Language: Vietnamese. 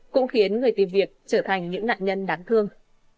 cũng khiến người tìm việc trở thành những nạn nhân đáng thương